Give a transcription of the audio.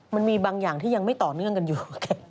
มันมีบางอย่างที่ยังไม่ต่อเนื่องกันอยู่